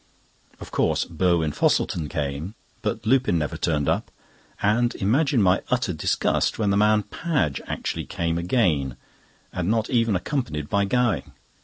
Of course, Burwin Fosselton came, but Lupin never turned up, and imagine my utter disgust when that man Padge actually came again, and not even accompanied by Gowing.